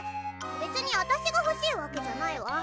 別に私が欲しいわけじゃないわ。